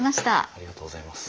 ありがとうございます。